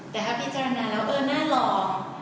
แต่ถ้าพิจารณาแล้วเออน่าหล่อ